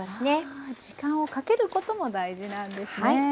時間をかけることも大事なんですね。